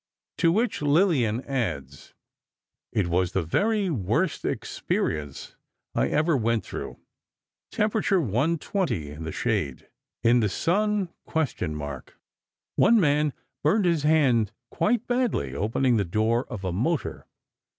To which Lillian adds: "It was the very worst experience I ever went through. Temperature 120 in the shade. In the sun...? One man burned his hand quite badly opening the door of a motor.